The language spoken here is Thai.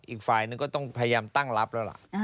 อีกฝ่ายนึงก็ต้องพยายามตั้งรับแล้วล่ะ